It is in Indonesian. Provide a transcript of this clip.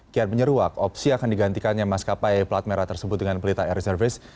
kian menyeruak opsi akan digantikannya maskapai plat merah tersebut dengan pelita air service